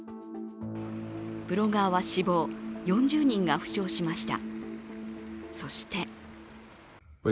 ブロガーは死亡、４０人が負傷しました。